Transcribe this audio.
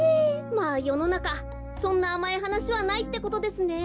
まあよのなかそんなあまいはなしはないってことですね。